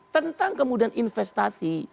tentang kemudian investasi